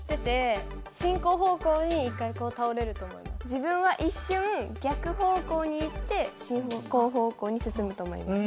自分は一瞬逆方向に行って進行方向に進むと思います。